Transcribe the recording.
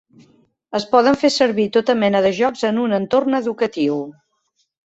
Es poden fer servir tota mena de jocs en un entorn educatiu.